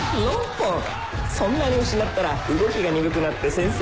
そんなに失ったら動きが鈍くなって先生